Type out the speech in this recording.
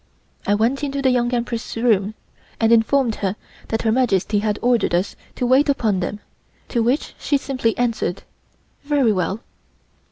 I went into the Young Empress' room and informed her that Her Majesty had ordered us to wait upon them, to which she simply answered: "Very well."